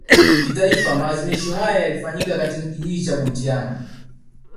Kitaifa maadhimisho haya yalifanyika katika Kijiji cha Butiama